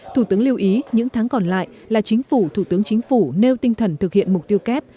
thủ tướng lưu ý những tháng còn lại là chính phủ thủ tướng chính phủ nêu tinh thần thực hiện mục tiêu kép